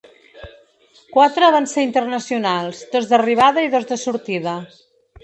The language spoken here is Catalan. Quatre van ser internacionals –dos d’arribada i dos de sortida.